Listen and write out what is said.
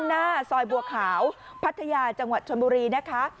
หน้าซอยบัวขาวพัทยาจังหวัดชนบุรีนะคะ